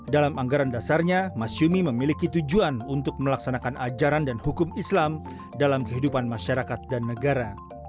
dalam anggaran dasarnya masyumi memiliki tujuan untuk melaksanakan ajaran dan hukum islam dalam kehidupan masyarakat dan negara